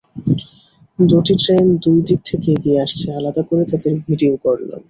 দুটি ট্রেন দুই দিক থেকে এগিয়ে আসছে, আলাদা করে তাদের ভিডিও করলাম।